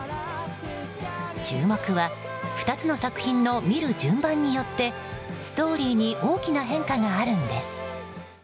注目は２つの作品の見る順番によってストーリーに大きな変化があるんです。